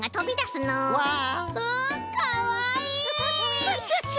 クシャシャシャ！